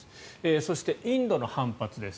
そして、インドの反発です。